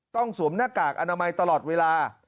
สวมหน้ากากอนามัยตลอดเวลา